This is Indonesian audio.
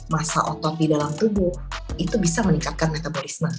masa otot di dalam tubuh itu bisa meningkatkan metabolisme